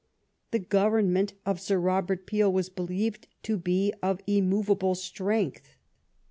The Gov ernment of Sir Robert Peel was believed to be of immovable strength.